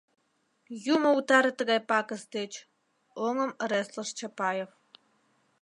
— Юмо утаре тыгай пакыс деч! — оҥым ыреслыш Чапаев.